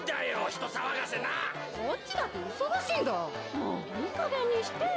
もういいかげんにしてよ。